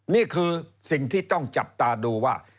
นี่คือสิ่งที่ต้องจับตาดูว่า